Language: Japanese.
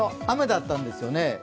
雨だったんですよね。